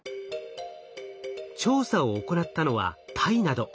調査を行ったのはタイなど。